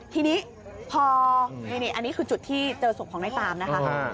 ทีนี้พออันนี้คือจุดที่เจอศพของนายตามนะคะ